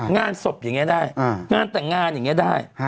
งานศพอย่างนี้ได้งานแต่งงานอย่างนี้ได้